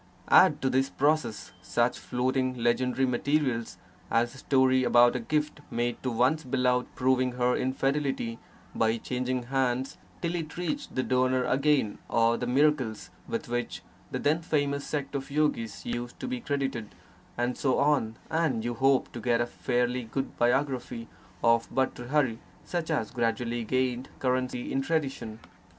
Add to this process such floating legendary materials as the story about a gift made to one's beloved proving her infidelity by changing hands till it reached the donor again, or the miracles with which the then famous sect of yogis used to be credited and so on, and you hope to get a fairly good biography of Bhartr hari such as gradually gained currency in tradition.